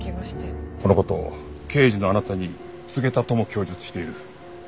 この事を刑事のあなたに告げたとも供述している。